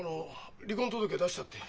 「離婚届出した」って。